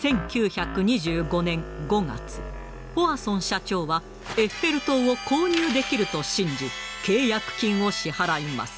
１９２５年５月ポワソン社長はエッフェル塔を購入できると信じ契約金を支払います。